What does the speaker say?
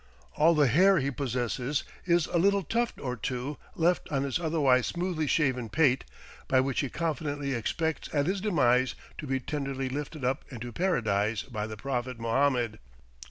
All the hair he possesses is a little tuft or two left on his otherwise smoothly shaven pate, by which he confidently expects at his demise to be tenderly lifted up into Paradise by the Prophet Mohammed.